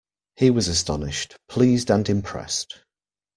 He was astonished, pleased and impressed.